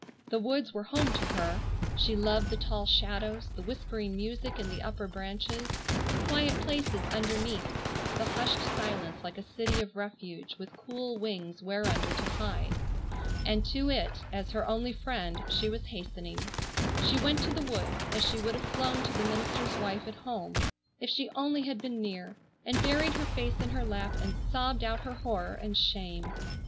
The woods were home to her. She loved the tall shadows, the whispering music in the upper branches, the quiet places underneath, the hushed silence like a city of refuge with cool wings whereunder to hide. And to it, as her only friend, she was hastening. She went to the woods as she would have flown to the minister's wife at home, if she only had been near, and buried her face in her lap and sobbed out her horror and shame.